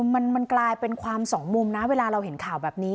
มันกลายเป็นความสองมุมนะเวลาเราเห็นข่าวแบบนี้